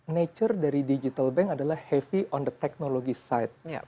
nature dari digital bank adalah heavy on the technology side